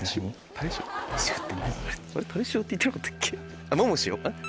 タレ塩って言ってなかったっけ？